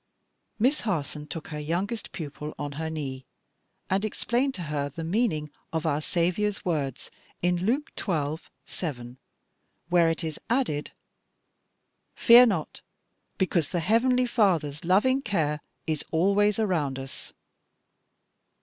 Miss Harson took her youngest pupil on her knee and explained to her the meaning of our Saviour's words in Luke xii. 7, where it is added, "Fear not,", because the heavenly Father's loving care is always around us.